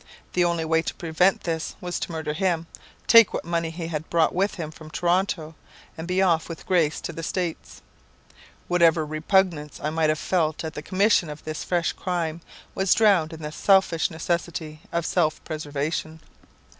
The only way to prevent this was to murder him, take what money he had brought with him from Toronto, and be off with Grace to the States. Whatever repugnance I might have felt at the commission of this fresh crime, was drowned in the selfish necessity of self preservation.